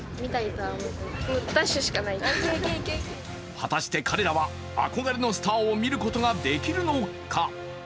果たして彼らは憧れのスターを見ることができるのか？